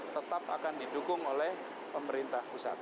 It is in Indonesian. tetap akan didukung oleh pemerintah pusat